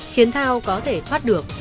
khiến thao có thể thoát được